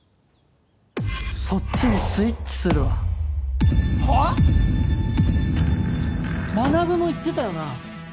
そっちにスイッチするわ。はあ！？マナブも言ってたよな。